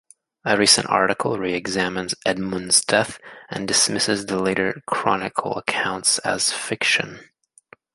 A recent article re-examines Edmund's death and dismisses the later chronicle accounts as fiction.